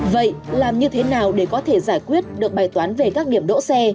vậy làm như thế nào để có thể giải quyết được bài toán về các điểm đỗ xe